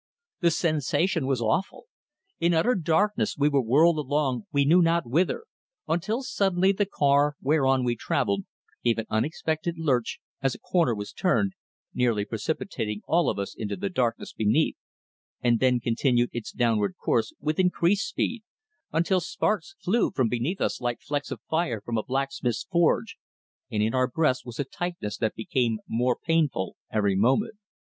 The sensation was awful. In utter darkness we were whirled along we knew not whither, until suddenly the car whereon we travelled gave an unexpected lurch, as a corner was turned, nearly precipitating all of us into the darkness beneath, and then continued its downward course with increased speed, until sparks flew from beneath us like flecks of fire from a blacksmith's forge, and in our breasts was a tightness that became more painful every moment.